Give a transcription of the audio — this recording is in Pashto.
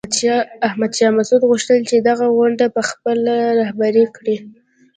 احمد شاه مسعود غوښتل چې دغه غونډه په خپله رهبري کړي.